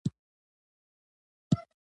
وطن په خپلو خلکو جوړیږي